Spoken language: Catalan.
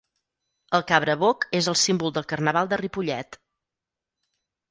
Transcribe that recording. El Cabraboc és el símbol del carnaval de Ripollet.